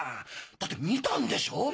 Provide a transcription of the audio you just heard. だって見たんでしょ？